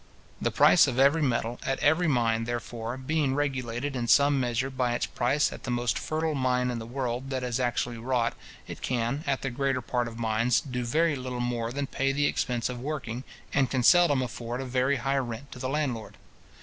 The price of every metal, at every mine, therefore, being regulated in some measure by its price at the most fertile mine in the world that is actually wrought, it can, at the greater part of mines, do very little more than pay the expense of working, and can seldom afford a very high rent to the landlord.